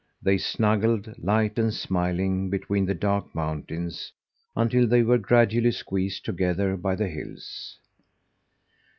They snuggled, light and smiling, between the dark mountains until they were gradually squeezed together by the hills.